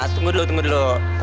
tunggu dulu tunggu dulu